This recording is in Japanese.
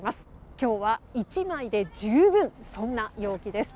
今日は１枚で十分な陽気です。